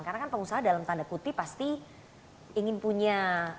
karena kan pengusaha dalam tanda kuti pasti ingin punya